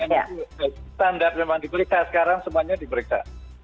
karena standar memang diperiksa sekarang semuanya diperiksa